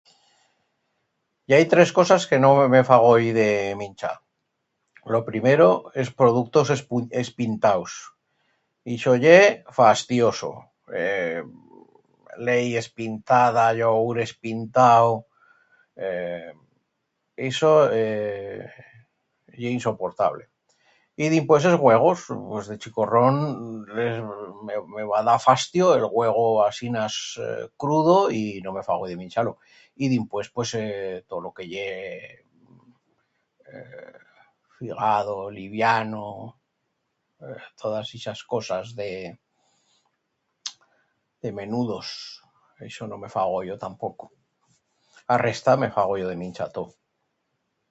I hai tres cosas que no me fa goi de minchar. Lo primero, es productos espun espintaus. Ixo ye fastioso: eee leit espintada, yogurt espintau, eee ixo eee ye insoportable. Y dimpués es uegos, pos de chicorrón es me me va dar fastio el uego asinas crudo y no me fa goi de minchar-lo. Y dimpués pues eee tot lo que ye eee figado, liviano, todas ixas cosas de... de menudos, ixo no me fa goyo tampoco. A resta, me fa goyo de minchar tot.